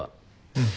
うん。